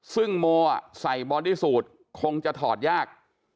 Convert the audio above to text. ซึ่งโมใส่บอดี้สูตรคงจะถอดยาก